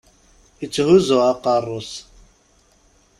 Itthuzzu aqerru-s.